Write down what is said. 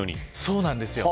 そうなんですよ。